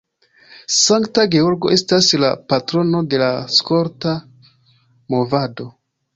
Sankta Georgo estas la patrono de la skolta movado.